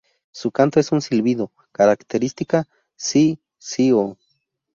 Su canto es un silbido característica: si-sii-oo.